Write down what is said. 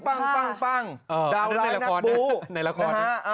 อ่านะครับนั้นละครในละคร